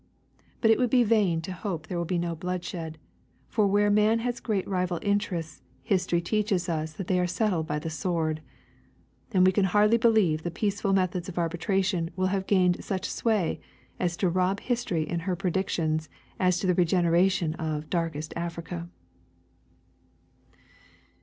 But it would be vain to hope there will be no bloodshed, for where man has great rival interests history teaches us they are settled by the sword ; and we can hardly believe the peaceful methods of arbitration will have gained such sway as to rob history in her predictions as to the regeneration of " darkest Africa."